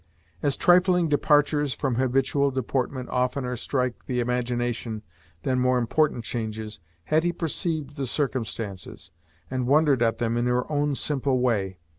As trifling departures from habitual deportment oftener strike the imagination than more important changes, Hetty perceived the circumstances, and wondered at them in her own simple way.